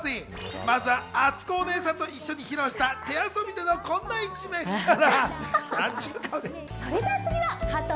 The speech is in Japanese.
まずはあつこお姉さんと一緒に披露した手遊び歌でのこんな一面から。